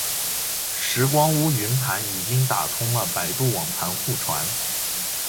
拾光坞云盘已经打通了百度网盘互传